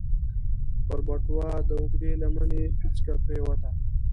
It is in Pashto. پر بټوه د اوږدې لمنې پيڅکه پرېوته.